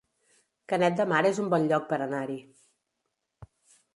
Canet de Mar es un bon lloc per anar-hi